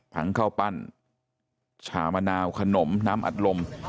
ทั้งข้าวปั้นฉามะนาวขนมน้ำอัดลม